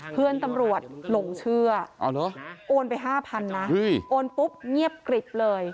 เพื่อนตำรวจหลงเชื่อโอนไป๕๐๐๐นะโอนปุ๊บเงียบกริบเลย